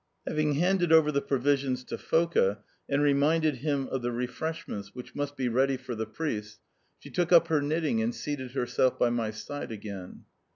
Having handed over the provisions to Foka, and reminded him of the refreshments which must be ready for the priests, she took up her knitting and seated herself by my side again.